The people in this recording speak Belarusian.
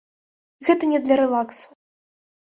Гэта не для рэлаксу.